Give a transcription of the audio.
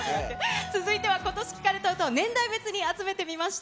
続いては今年聴かれた歌を、年代別に集めてみました。